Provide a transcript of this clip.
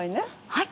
はい。